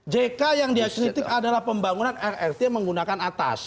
jk yang dia kritik adalah pembangunan rrt menggunakan atas